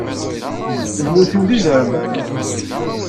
Lmut-iw d izerman.